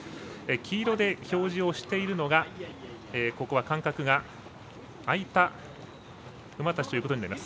黄色で表示をしているのがここは間隔が空いた馬たちということになります。